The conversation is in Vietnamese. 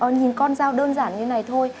nhìn con dao đơn giản như này thôi